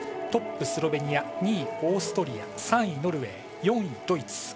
トップ、スロベニア２位、オーストリア３位、ノルウェー４位、ドイツ。